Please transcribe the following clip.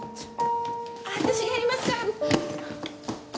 私がやりますから。